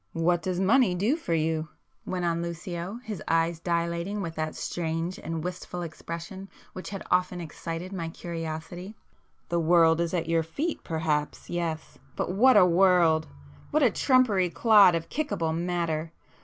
"What does money do for you?" went on Lucio, his eyes dilating with that strange and wistful expression which had often excited my curiosity—"The world is at your feet, perhaps; yes—but what a world! What a trumpery clod of kickable matter!